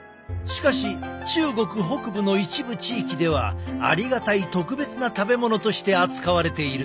しかし中国北部の一部地域ではありがたい特別な食べ物として扱われているという。